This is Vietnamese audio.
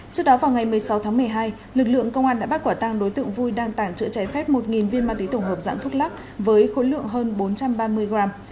trước đó vào ngày một mươi sáu tháng một mươi hai lực lượng công an đã bắt quả tăng đối tượng vui đang tàng trữ trái phép một viên ma túy tổng hợp dạng thuốc lắc với khối lượng hơn bốn trăm ba mươi gram